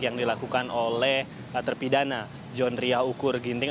yang dilakukan oleh terpidana john ria ukur ginting